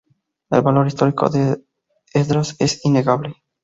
El valor histórico de Esdras es innegable.